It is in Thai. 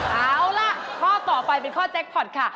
เอาล่ะข้อต่อไปเป็นข้อแจ็คพอร์ตค่ะ